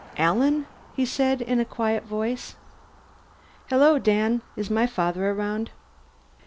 "Alan," he said, in a quiet voice. "Hello, Dan. Is my father around?"